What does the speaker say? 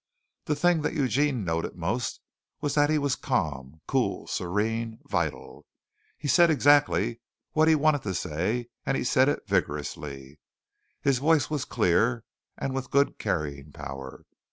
The thing that Eugene noted most was that he was calm, cool, serene, vital. He said exactly what he wanted to say, and he said it vigorously. His voice was clear and with good carrying power.